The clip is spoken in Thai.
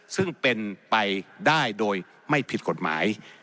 ซึ่งเป็นไปได้โดยไม่ผิดกฎหมาย